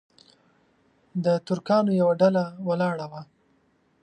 د ترکانو یوه ډله ولاړه وه.